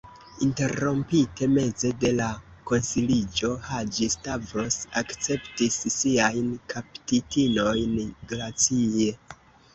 Interrompite meze de la konsiliĝo, Haĝi-Stavros akceptis siajn kaptitinojn glacie.